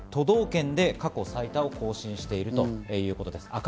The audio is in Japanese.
道県で過去最多を更新しているということです。